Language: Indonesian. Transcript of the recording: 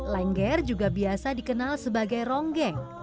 lengger juga biasa dikenal sebagai ronggeng